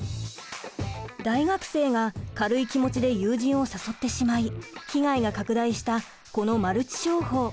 大学生が軽い気持ちで友人を誘ってしまい被害が拡大したこのマルチ商法。